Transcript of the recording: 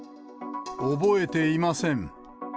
覚えていません。